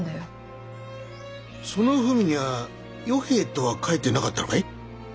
その文には「与平」とは書いてなかったのかい？